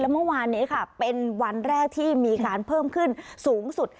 เมื่อวานนี้ค่ะเป็นวันแรกที่มีการเพิ่มขึ้นสูงสุด